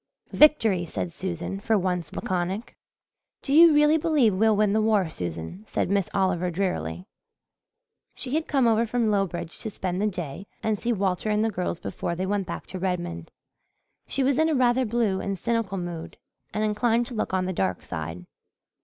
"Victory!" said Susan, for once laconic. "Do you really believe we'll win the war, Susan?" said Miss Oliver drearily. She had come over from Lowbridge to spend the day and see Walter and the girls before they went back to Redmond. She was in a rather blue and cynical mood and inclined to look on the dark side.